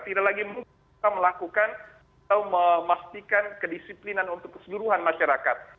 tidak lagi mungkin kita melakukan atau memastikan kedisiplinan untuk keseluruhan masyarakat